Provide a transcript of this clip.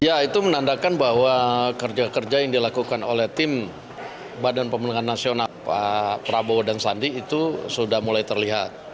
ya itu menandakan bahwa kerja kerja yang dilakukan oleh tim badan pemenangan nasional pak prabowo dan sandi itu sudah mulai terlihat